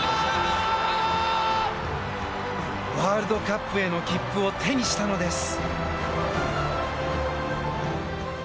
ワールドカップへの切符を手にしたのです。